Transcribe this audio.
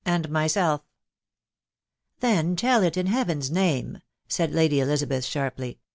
and myself ...." Then tell it, in Heaven's name !" said Lady Elizabeth sharply.